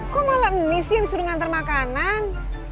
kok malam misin suruh ngantar makanan